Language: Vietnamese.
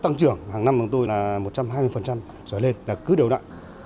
tăng trưởng hàng năm chúng tôi là một trăm hai mươi trở lên là cứ đều đặn